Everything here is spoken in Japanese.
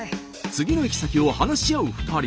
次の行き先を話し合う２人。